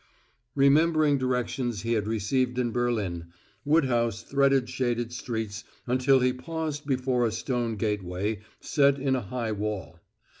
Remembering directions he had received in Berlin, Woodhouse threaded shaded streets until he paused before a stone gateway set in a high wall.